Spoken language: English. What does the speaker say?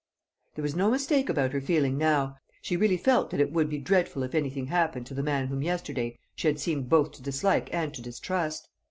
There was no mistake about her feeling now; she really felt that it would be "dreadful if anything happened" to the man whom yesterday she had seemed both to dislike and to distrust.